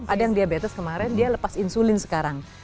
ada yang diabetes kemarin dia lepas insulin sekarang